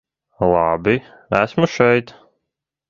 Labi, esmu šeit.